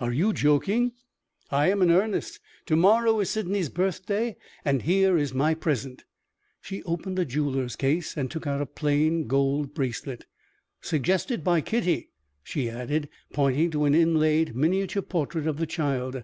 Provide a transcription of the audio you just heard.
"Are you joking?" "I am in earnest. To morrow is Sydney's birthday; and here is my present." She opened a jeweler's case, and took out a plain gold bracelet. "Suggested by Kitty," she added, pointing to an inlaid miniature portrait of the child.